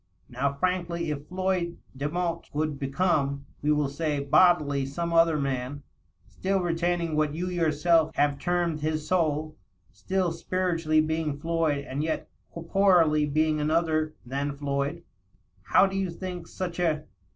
Now, frankly, if Floyd Demotte coul^ become, we will say, bodily some other man, still retaining what you yourself have termed his soul — still spiritually being Floyd and yet corporally being another than Floyd, how do you think such a